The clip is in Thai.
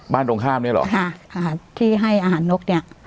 บ้านตรงข้ามเนี่ยเหรออ่าอ่าที่ให้อาหารนกเนี่ย